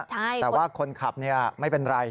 แต่ว่าคนขับไม่เป็นไร